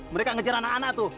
mereka ngejar anak anak tuh